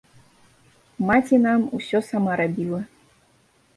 Маці нам усё сама рабіла.